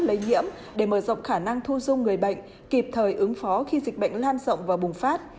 lây nhiễm để mở rộng khả năng thu dung người bệnh kịp thời ứng phó khi dịch bệnh lan rộng và bùng phát